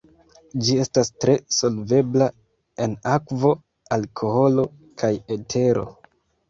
Ĝi estas tre solvebla en akvo, alkoholo kaj etero.